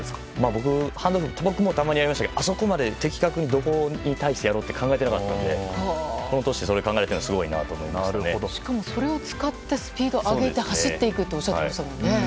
僕もハンドオフたまにやりましたけどあそこまで的確にどこに対してやろうと考えていなかったのでこの年でそれを考えているのはそれを使ってスピードを上げて走っていくとおっしゃっていましたね。